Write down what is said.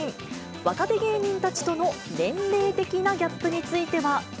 若手芸人たちとの年齢的なギャップについては。